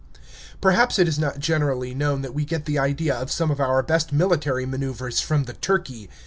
Perhaps it is not generally known that we get the idea of some of our best military maneuvers from the turkey.